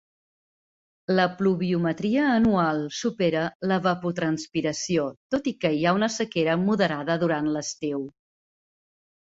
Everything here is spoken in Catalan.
La pluviometria anual supera l'evapotranspiració, tot i que hi ha una sequera moderada durant l'estiu.